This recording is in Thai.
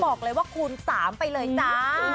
บอกเลยว่าคูณ๓ไปเลยจ้า